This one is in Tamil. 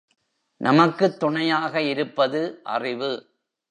நமக்குத் துணையாக இருப்பது அறிவு.